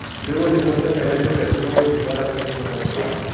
Luego le cuenta un evento que tuvo lugar hace unos años.